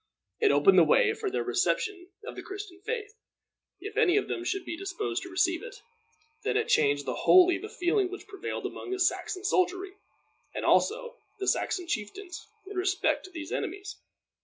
It opened the way for their reception of the Christian faith, if any of them should be disposed to receive it. Then it changed wholly the feeling which prevailed among the Saxon soldiery, and also the Saxon chieftains, in respect to these enemies.